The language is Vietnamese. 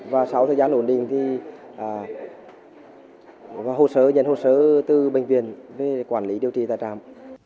và sau thời gian ổn định thì nhận hồn sơ từ bệnh viện về quản lý điều trị tài trạm